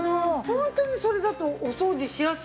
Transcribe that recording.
ホントにそれだとお掃除しやすいですもんね。